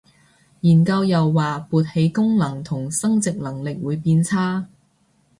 研究又話勃起功能同生殖能力會變差